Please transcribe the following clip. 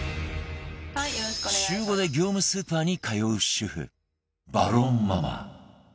週５で業務スーパーに通う主婦バロンママ